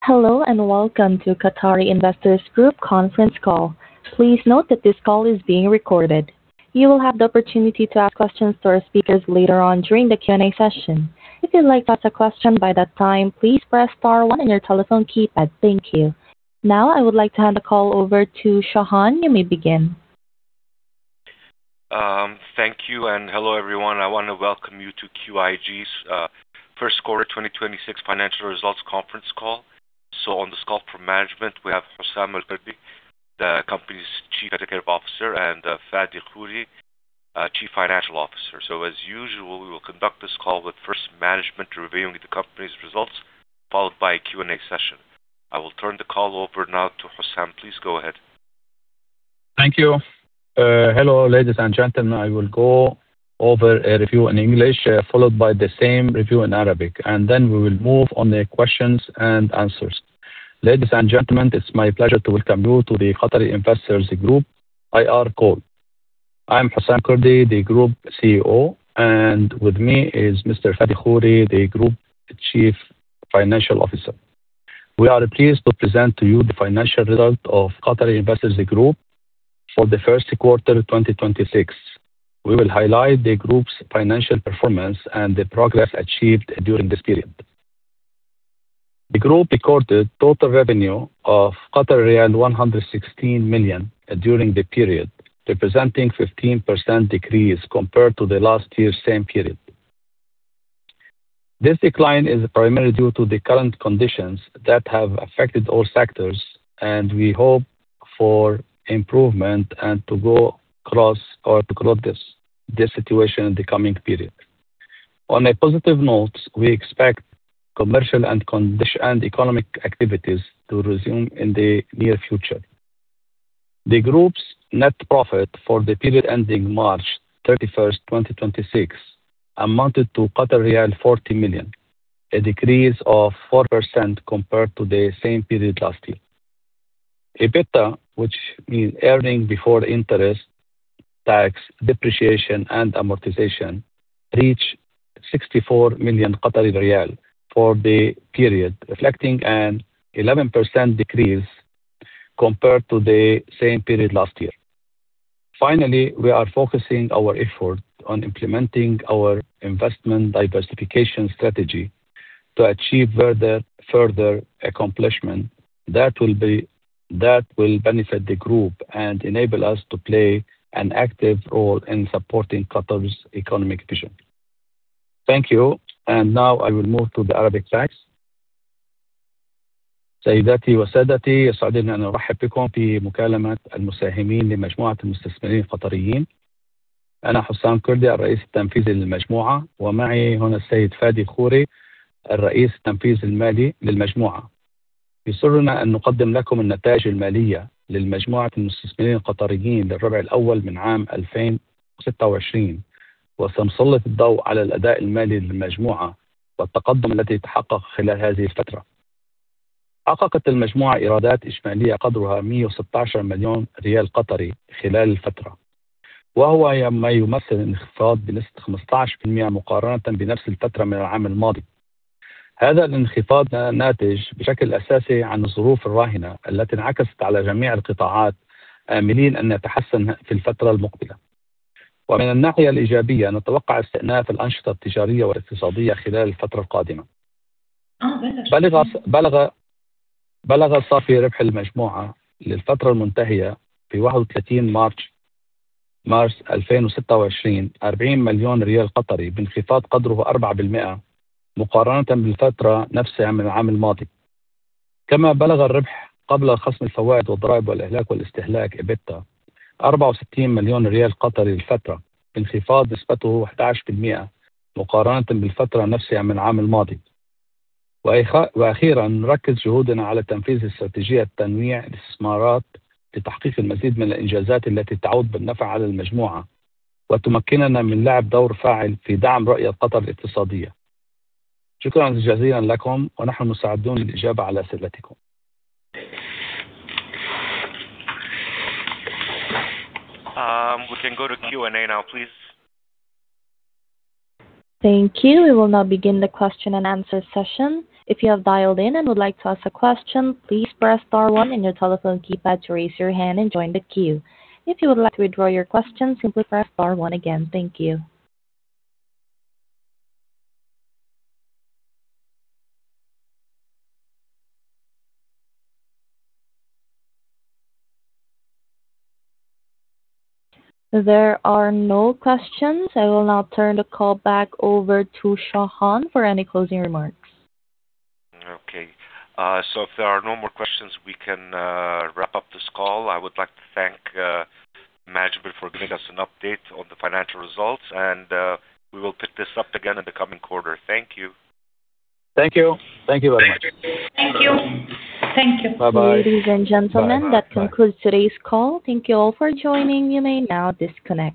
Hello and welcome to Qatari Investors Group conference call. Please note that this call is being recorded. You will have the opportunity to ask questions to our speakers later on during the Q&A session. If you'd like to ask a question by that time, please press star one on your telephone keypad. Thank you. Now, I would like to hand the call over to Shahan. You may begin. Thank you, and hello, everyone. I want to welcome you to QIG's first quarter 2026 financial results conference call. On this call from management, we have Houssam El Kurdi, the company's Chief Executive Officer, and Fady El Khoury, Chief Financial Officer. As usual, we will conduct this call with first management reviewing the company's results, followed by a Q&A session. I will turn the call over now to Houssam. Please go ahead. Thank you. Hello, ladies and gentlemen. I will go over a review in English, followed by the same review in Arabic, and then we will move on the questions and answers. Ladies and gentlemen, it is my pleasure to welcome you to the Qatari Investors Group IR Call. I am Houssam El Kurdi, the Group CEO, and with me is Mr. Fady ElKhoury, the Group Chief Financial Officer. We are pleased to present to you the financial result of Qatari Investors Group for the first quarter of 2026. We will highlight the group's financial performance and the progress achieved during this period. The group recorded total revenue of 116 million during the period, representing 15% decrease compared to the last year's same period. This decline is primarily due to the current conditions that have affected all sectors, and we hope for improvement and to go across or to close this situation in the coming period. On a positive note, we expect commercial and economic activities to resume in the near future. The group's net profit for the period ending March 31st, 2026 amounted to riyal 40 million, a decrease of 4% compared to the same period last year. EBITDA, which means earnings before interest, tax, depreciation, and amortization, reached 64 million Qatari riyal for the period, reflecting an 11% decrease compared to the same period last year. Finally, we are focusing our effort on implementing our investment diversification strategy to achieve further accomplishment that will benefit the group and enable us to play an active role in supporting Qatar's economic vision. Thank you. Now I will move to the Arabic slides. We can go to Q&A now, please. Thank you. We will now begin the question and answer session. If you have dialed in and would like to ask a question, please press star one in your telephone keypad to raise your hand and join the queue. If you would like to withdraw your question, simply press star one again. Thank you. There are no questions. I will now turn the call back over to Shahan for any closing remarks. Okay. If there are no more questions, we can wrap up this call. I would like to thank management for giving us an update on the financial results, and we will pick this up again in the coming quarter. Thank you. Thank you. Thank you very much. Thank you. Thank you. Bye-bye. Ladies and gentlemen, that concludes today's call. Thank you all for joining. You may now disconnect.